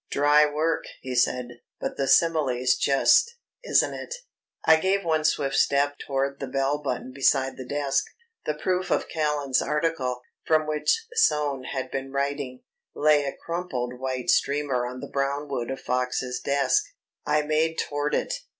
"Dry work," he said; "but the simile's just, isn't it?" I gave one swift step toward the bell button beside the desk. The proof of Callan's article, from which Soane had been writing, lay a crumpled white streamer on the brown wood of Fox's desk. I made toward it.